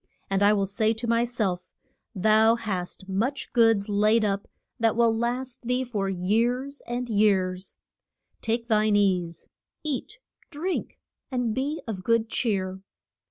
And I will say to my self, Thou hast much goods laid up that will last thee for years and years; take thine ease, eat, drink, and be of good cheer.